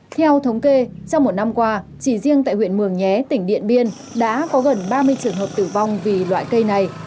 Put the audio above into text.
theo thống kê trong một năm qua chỉ riêng tại huyện mường nhé tỉnh điện biên đã có gần ba mươi trường hợp tử vong vì loại cây này